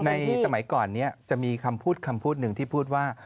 ในสมัยก่อนนี้จะมีคำพูดหนึ่งที่พูดว่า